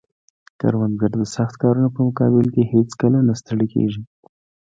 کروندګر د سخت کارونو په مقابل کې هیڅکله نه ستړی کیږي